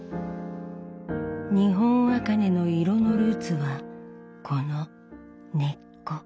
日本茜の色のルーツはこの根っこ。